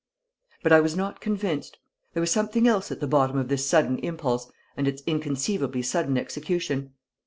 But I was not convinced. There was something else at the bottom of this sudden impulse and its inconceivably sudden execution.